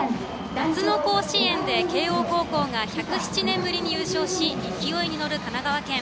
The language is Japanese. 夏の甲子園で慶応高校が１０７年ぶりに優勝し勢いに乗る神奈川県。